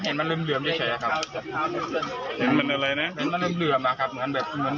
เห็นมันลืมเหลือมอะครับเหมือนแบบมันทองเหลืองเนี่ยครับ